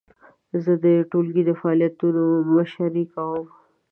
زه د ټولګي د فعالیتونو مشري کوم.